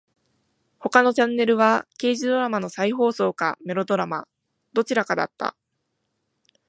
他のチャンネルは刑事ドラマの再放送かメロドラマ。どちらかだった。